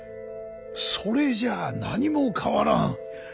それじゃ何も変わらん。